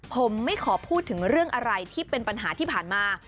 ผมไม่ขอพูดถึงเรื่องอะไรที่เป็นปัญหาที่ผ่านมา